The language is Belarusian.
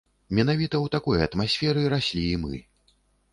Менавіта ў такой атмасферы раслі і мы.